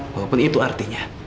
walaupun itu artinya